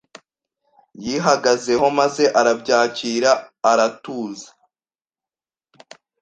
yihagazeho maze arabyakira aaratuza